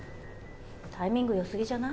タイミング良すぎじゃない？